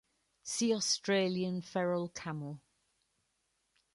See Australian feral camel.